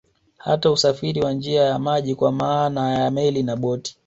Hata usafiri wa njia ya maji kwa maana ya Meli na boti